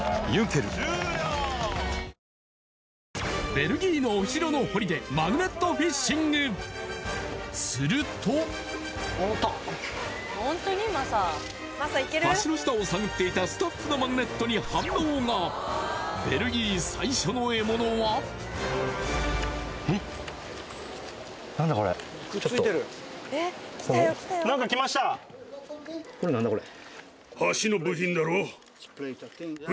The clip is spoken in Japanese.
ベルギーのお城の堀でマグネットフィッシングすると橋の下を探っていたスタッフのマグネットに反応がこれ何だこれ？